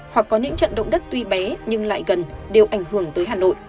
hoặc có những trận động đất tuy bé nhưng lại gần đều ảnh hưởng tới hà nội